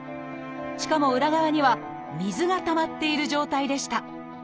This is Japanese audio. しかも裏側には水がたまっている状態でした。